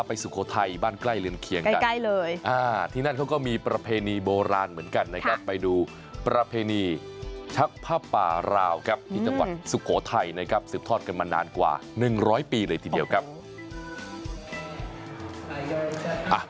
ประเพณีชักผ้าป่าราวครับที่จังหวัดสุโขทัยนะครับสืบทอดกันมานานกว่า๑๐๐ปีเลยทีเดียวกันครับ